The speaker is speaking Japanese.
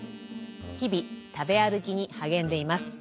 日々食べ歩きに励んでいます。